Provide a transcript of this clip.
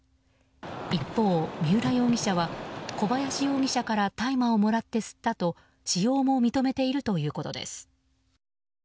一方、三浦容疑者は小林容疑者から大麻をもらって吸ったと使用も認めているということです。